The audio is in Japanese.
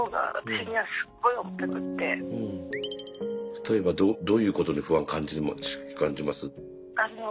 例えばどういうことに不安を感じます？